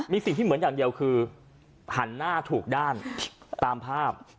มีสิ่งที่เหมือนอย่างเดียวคือหันหน้าถูกด้านตามภาพ